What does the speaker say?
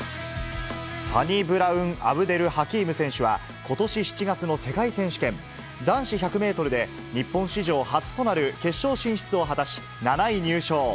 サニブラウン・アブデル・ハキーム選手は、ことし７月の世界選手権男子１００メートルで、日本史上初となる決勝進出を果たし、７位入賞。